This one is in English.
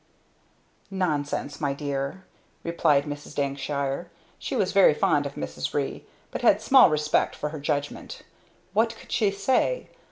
"Nonsense, my dear!" replied Mrs. Dankshire. She was very fond of Mrs. Ree, but had small respect for her judgment. "What could she say?